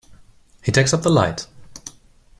He takes up the light.